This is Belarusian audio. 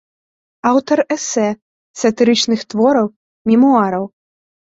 Аўтар эсэ, сатырычных твораў, мемуараў.